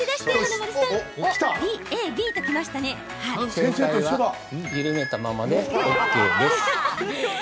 正解は緩めたままでＯＫです。